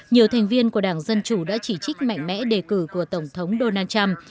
nhiều thành viên của đảng dân chủ đã chỉ trích mạnh mẽ đề cử của tổng thống donald trump